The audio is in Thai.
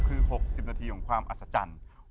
คือ๖๐นาทีของความอัศจรรย์